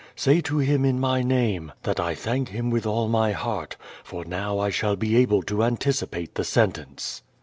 Say to him in my name than I thank him with all my heart, for now I shall be able to anticipate the sentence."